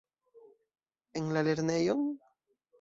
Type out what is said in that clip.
En la lernejon?